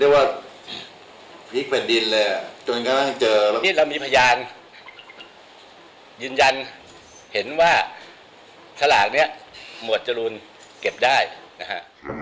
วันนี้เรามีพยานยืนยันเห็นว่าทราคเนี้ยหมวดจรูนเก็บได้นะฮะ